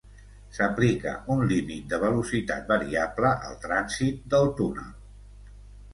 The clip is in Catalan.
S'aplica un límit de velocitat variable al trànsit del túnel.